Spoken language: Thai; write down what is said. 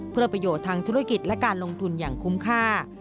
เพื่อประโยชน์ทางธุรกิจและการลงทุนอย่างคุ้มค่า